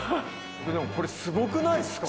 これすごくないですか？